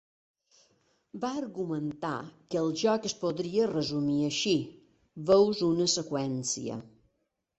Va argumentar que el joc es podria resumir així: "Veus una seqüència.